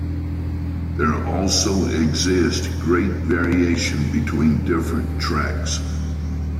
There also exists great variation between different tracks.